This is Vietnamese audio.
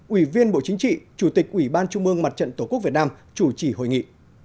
ủy viên bộ chính trị chủ tịch ủy ban trung mương mặt trận tổ quốc việt nam chủ trì hội nghị